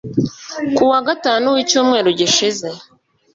ku wa gatanu w’icyumeru gishize